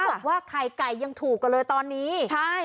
บอกว่าไข่ไก่ยังถูกกว่าเลยตอนนี้ใช่